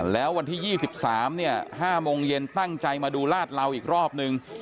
แล้ววันที่๒๓๕โมงเย็นตั้งใจมาดูลาดเหลาอีกรอบนึง